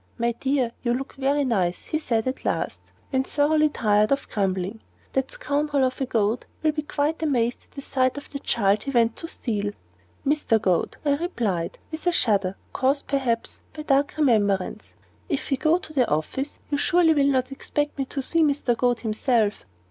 "My dear, you look very nice," he said at last, when thoroughly tired of grumbling. "That scoundrel of a Goad will be quite amazed at sight of the child he went to steal." "Mr. Goad!" I replied, with a shudder, caused, perhaps, by dark remembrance; "if we go to the office, you surely will not expect me to see Mr. Goad himself?"